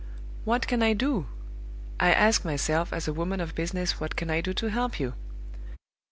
"What can I do? I ask myself, as a woman of business, what can I do to help you?